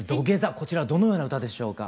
こちらどのような歌でしょうか。